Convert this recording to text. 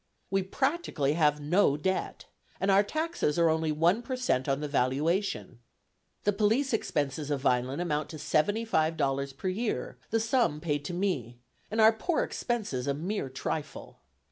We practically have no debt, and our taxes are only one per cent on the valuation. The police expenses of Vineland amount to $75.00 per year, the sum paid to me; and our poor expenses a mere trifle.